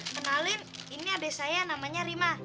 kenalin ini adik saya namanya rima